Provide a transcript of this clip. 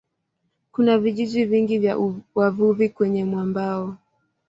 Kuna vijiji vingi vya wavuvi kwenye mwambao.